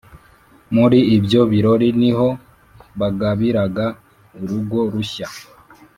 muri ibyo birori ni ho bagabiraga urugo rushya